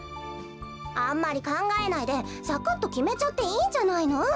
あんまりかんがえないでサクッときめちゃっていいんじゃないの？